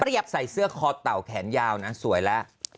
รีบใส่เสื้อคอต่าวแขนยาวนะสวยแหละ